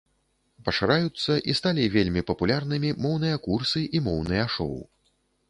Пашыраюцца і сталі вельмі папулярнымі моўныя курсы і моўныя шоў.